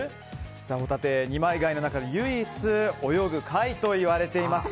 ホタテ二枚貝の中で唯一泳ぐ貝といわれています。